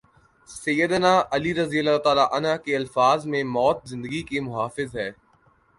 سید نا علیؓ کے الفاظ میں موت زندگی کی محافظ ہے۔